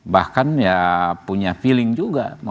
bahkan ya punya feeling juga